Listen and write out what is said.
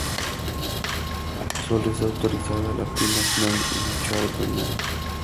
Sólo está autorizada la Pinot noir y chardonnay.